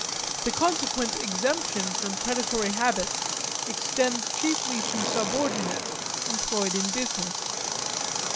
The consequent exemption from predatory habits extends chiefly to subordinates employed in business.